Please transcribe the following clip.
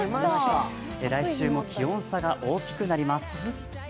来週も気温差が大きくなります。